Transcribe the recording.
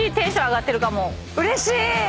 うれしい！